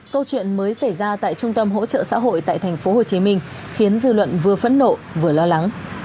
câu chuyện mới xảy ra tại trung tâm hỗ trợ xã hội tại tp hcm khiến dư luận vừa phẫn nộ vừa lo lắng